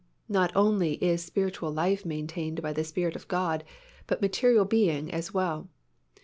Not only is spiritual life maintained by the Spirit of God but material being as well.